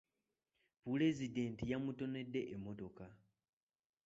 Pulezidenti yamutonedde emmotoka.